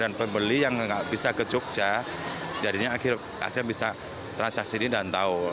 dan pembeli yang nggak bisa ke jogja jadinya akhirnya bisa transaksi ini dan tahu